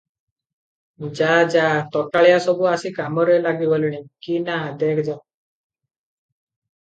ଯା ଯା, ତୋଟାଳିଆ ସବୁ ଆସି କାମରେ ଲାଗିଗଲେଣି କି ନା, ଦେଖ ଯା ।"